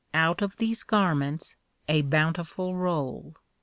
Out of these garments a bountiful roll.